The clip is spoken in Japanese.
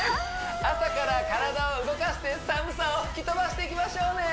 朝から体を動かして寒さを吹き飛ばしていきましょうね